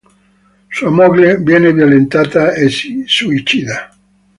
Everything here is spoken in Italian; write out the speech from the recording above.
Sua moglie viene violentata e si suicida.